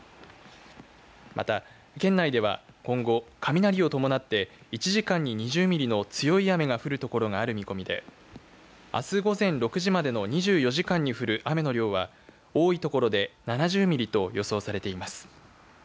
また、県内では今後、雷を伴って１時間に２０ミリの強い雨が降る所がある見込みであす午前６時までの２４時間に降る雨の量は多い所で７０ミリと予想されています。